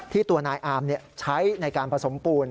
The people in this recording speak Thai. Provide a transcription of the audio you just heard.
ตัวนายอามใช้ในการผสมปูน